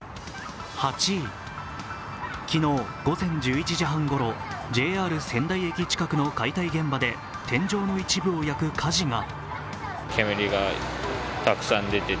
昨日午前１１時半ごろ、ＪＲ仙台駅近くの解体現場で天井の一部を焼く火事が。